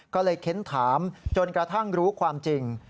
ก็เลยเค้นถามจนกระทั่งรู้ความจริง